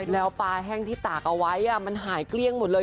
แล้วปลาแห้งที่ตากเอาไว้มันหายเกลี้ยงหมดเลย